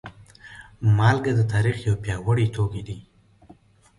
مالګه د تاریخ یو پیاوړی توکی دی.